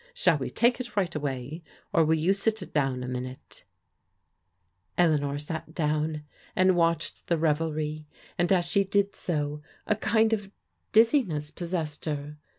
*' Shall we take it right away or will you sit down a minute ?" Eleanor sat down and watched the revdry, and as she did so, a kind of dizziness possessed her.